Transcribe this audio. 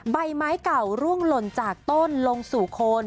ใบไม้เก่าร่วงหล่นจากต้นลงสู่โคน